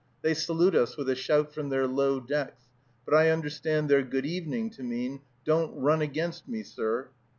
They salute us with a shout from their low decks; but I understand their "Good evening" to mean, "Don't run against me, sir."